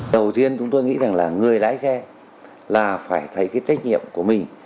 đầu tiên chúng tôi nghĩ rằng là người lái xe là phải thấy cái trách nhiệm của mình